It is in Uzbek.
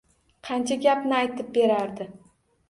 Qancha gapni aytib berardi…